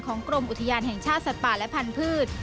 กรมอุทยานแห่งชาติสัตว์ป่าและพันธุ์